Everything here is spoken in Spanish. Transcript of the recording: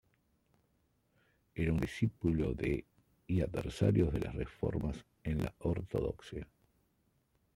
Era un discípulo de y adversario de las reformas en la ortodoxia.